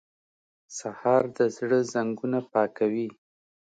سهار د زړه زنګونه پاکوي.